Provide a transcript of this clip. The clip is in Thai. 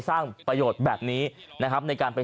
ท่านพรุ่งนี้ไม่แน่ครับ